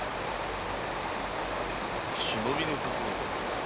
忍びの心得？